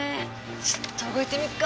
ちょっと動いてみっか。